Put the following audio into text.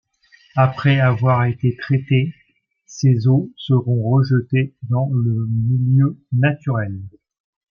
Après avoir été traitées, ces eaux seront rejetées dans le milieu naturel.